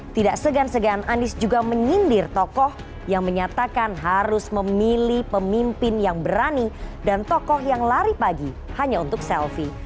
tidak segan segan anies juga menyindir tokoh yang menyatakan harus memilih pemimpin yang berani dan tokoh yang lari pagi hanya untuk selfie